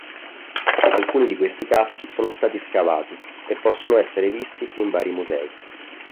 Alcuni di questi caschi sono stati scavati e possono essere visti in vari musei.